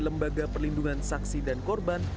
lembaga perlindungan saksi dan korban